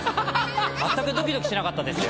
まったくドキドキしなかったですよ。